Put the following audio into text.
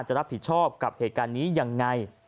จะรับผิดชอบกับเหตุการณ์นี้ยังไง